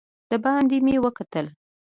دباندې مې وکتل.